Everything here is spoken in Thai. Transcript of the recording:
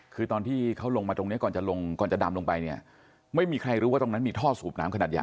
คือตอนที่เขาลงมาตรงนี้ก่อนจะลงก่อนจะดำลงไปเนี่ยไม่มีใครรู้ว่าตรงนั้นมีท่อสูบน้ำขนาดใหญ่